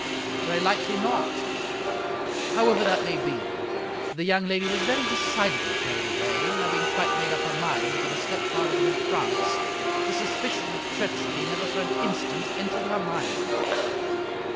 " Very likely not. However that may be, the young lady was very decidedly carried away, and having quite made up her mind that her stepfather was in France, the suspicion of treachery never for an instant entered her mind.